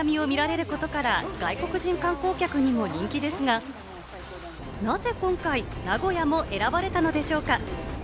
京都といえば日本屈指の観光地で歴史的な町並みを見られることから外国人観光客にも人気ですが、なぜ今回、名古屋も選ばれたのでしょうか？